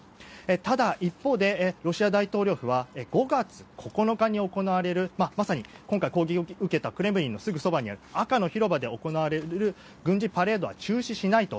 ただ一方で、ロシア大統領府は５月９日に行われるまさに今回、攻撃を受けたクレムリンのすぐそばにある赤の広場で行われる軍事パレードは中止しないと。